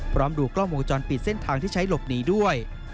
พร้อมดูกล้องโหมกจรปิดเส้นทางที่ใช้หลบหนีด้วย